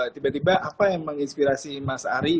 tiba tiba apa yang menginspirasi mas ari